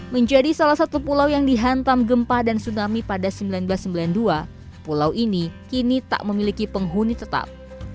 menjadi salah satu pulau yang dihantam gempa dan tsunami pada seribu sembilan ratus sembilan puluh dua pulau ini kini tak memiliki penghuni tetap